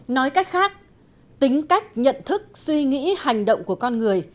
nói cách khác tính cách nhận thức suy nghĩ hành động của con người